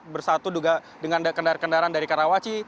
bersatu juga dengan kendaraan kendaraan dari karawaci